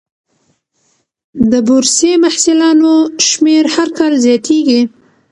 د بورسي محصلانو شمېر هر کال زیاتېږي.